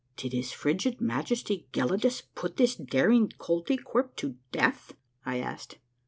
" Did his frigid Majesty Gelidus put this daring Koltykwerp to death?" I asked.